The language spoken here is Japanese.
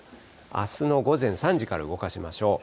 あすの午前３時から動かしましょう。